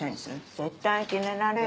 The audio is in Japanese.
絶対キレられる。